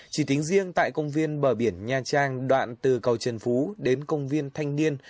chỉ tính riêng tại công viên bờ biển nha trang đoạn từ cầu trần phú đến công viên thanh niên